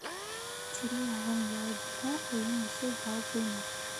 Тирә яғың яу булһа, өйөң эсе һау булмаҫ.